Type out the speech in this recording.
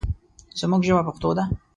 زموږ ژبه پښتو ده.